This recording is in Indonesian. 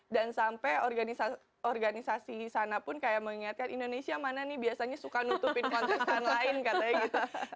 dan sampai organisasi sana pun kayak mengingatkan indonesia mana nih biasanya suka nutupin konteks kan lain katanya gitu